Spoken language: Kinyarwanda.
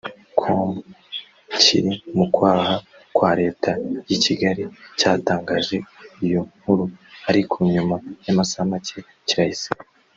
com kiri mu kwaha kwa Leta y’i Kigali cyatangaje iyo nkuru ariko nyuma y’amasaha make kirayisiba